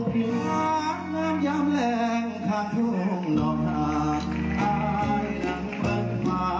พี่น้ำย้ำแหลงข้างทุ่มดอกหน้าไหลนั้นเผิดมา